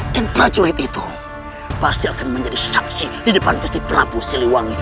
dan prajurit itu pasti akan menjadi saksi di depan kusti prabu siliwangi